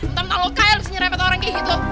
entah entah lo kaya lu bisa nyerepet orang kayak gitu